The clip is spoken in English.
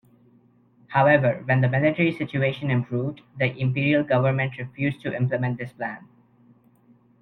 However, when the military situation improved, the imperial government refused to implement this plan.